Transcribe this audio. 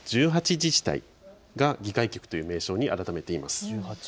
自治体が議会局という名称に改めています。